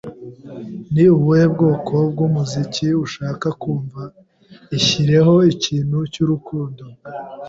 "Ni ubuhe bwoko bw'umuziki ushaka kumva?" "Ishyireho ikintu cy'urukundo."